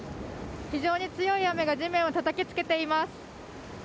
非常に強い雨が地面をたたきつけています。